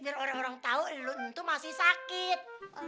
biar orang orang tahu itu masih sakit